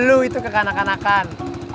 lo itu kekanakanakan